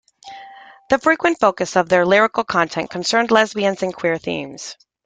The frequent focus of their lyrical content concerned lesbian and queer themes.